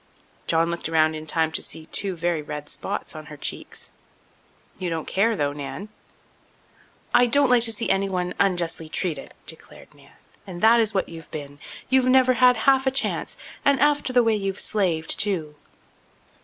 John looked around in time to see two very red spots on her cheeks. "You don't care though, Nan." "I don't like to see anyone unjustly treated," declared Nan, "and that is what you've been. You've never had half a chance. And after the way you've slaved, too!"